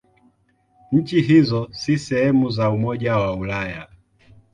Nchi hizo si sehemu za Umoja wa Ulaya.